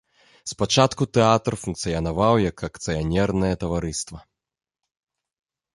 Спачатку тэатр функцыянаваў як акцыянернае таварыства.